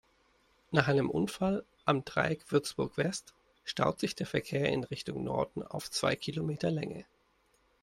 Nach einem Unfall am Dreieck Würzburg-West staut sich der Verkehr in Richtung Norden auf zwei Kilometer Länge.